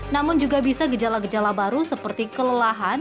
namun juga bisa gejala gejala baru seperti kelelahan